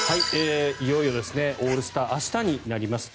いよいよオールスター明日になります。